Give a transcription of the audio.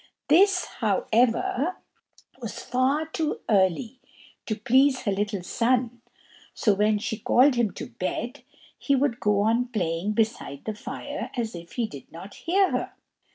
This, however, was far too early to please her little son; so when she called him to bed, he would go on playing beside the fire, as if he did not hear her.